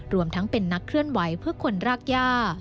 รวมทั้งเป็นนักเคลื่อนไหวเพื่อคนรากย่า